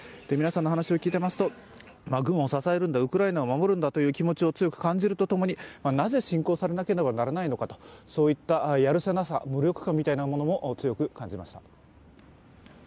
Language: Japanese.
皆さんの話を聞いていますと、軍を支えるんだ、ウクライナを守るんだという気持ちを強く感じるとともになぜ侵攻されなければならないのかと、そういったやるせなさ無力感みたいなものも強く感じました。